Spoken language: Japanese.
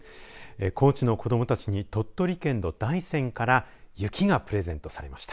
高知の子どもたちに鳥取県の大山から雪がプレゼントされました。